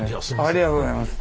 ありがとうございます。